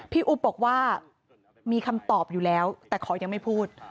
อุ๊บบอกว่ามีคำตอบอยู่แล้วแต่ขอยังไม่พูด